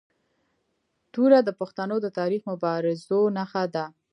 توره د پښتنو د تاریخي مبارزو نښه ده.